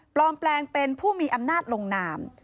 แปลงเป็นผู้มีอำนาจลงนาม